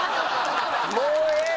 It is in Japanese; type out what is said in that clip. もうええ